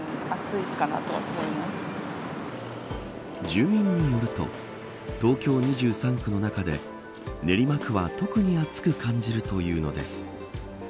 住人によると東京２３区の中で練馬区は特に暑く感じるというのです。